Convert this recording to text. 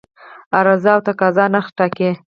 عرضه او تقاضا نرخ ټاکي